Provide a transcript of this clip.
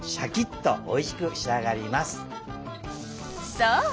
そう。